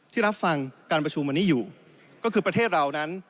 รับฟังการประชุมวันนี้อยู่ก็คือประเทศเรานั้น